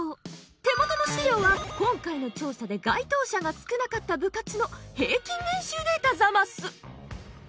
手元の資料は今回の調査で該当者が少なかった部活の平均年収データザマス。